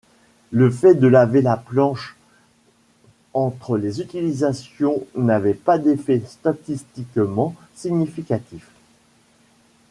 Le fait de laver la planche entre les utilisations n'avait pas d'effet statistiquement significatif.